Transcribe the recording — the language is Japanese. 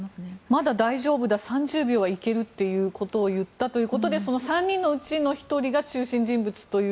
まだ大丈夫だ３０秒はいけると言ったということでその３人のうちの１人が中心人物という。